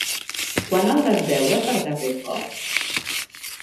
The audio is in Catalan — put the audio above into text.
Quan el vas veure per darrer cop?